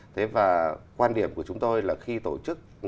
thế và quan điểm của chúng tôi là khi tổ chức